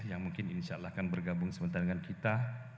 yang mungkin insya allah akan bergabung sebentar dengan kita